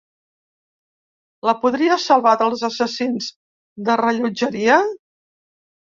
La podrà salvar dels assassins de rellotgeria?